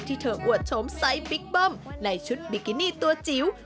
ที่เธออวดชมไซส์บิ๊กบ้ำในชุดบิกินี่ตัวจิ๋ว